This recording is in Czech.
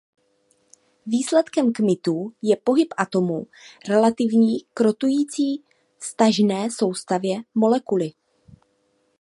Výsledkem kmitů je pohyb atomů relativní k rotující vztažné soustavě molekuly.